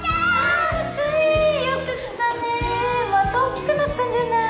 よく来たねまた大きくなったんじゃない？